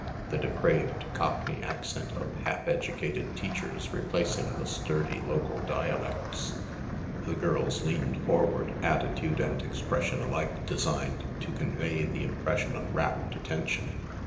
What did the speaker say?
"The depraved Cockney accent of half edu cated teachers replacing the sturdy local dialects ..." The girls leaned forward, attitude and expression alike designed to convey the impression of rapt attention.